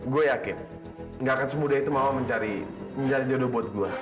gue yakin gak akan semudah itu mau mencari jodoh buat gue